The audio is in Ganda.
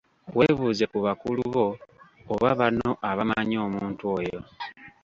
Weebuuze ku bakulu bo oba banno abamannyi omuntu oyo.